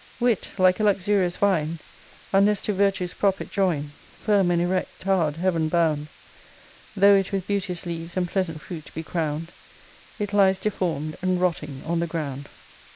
Wit, like a luxurious vine, Unless to virtue's prop it join, Firm and erect, tow'rd heaven bound, Tho' it with beauteous leaves and pleasant fruit be crown'd, It lies deform'd, and rotting on the ground.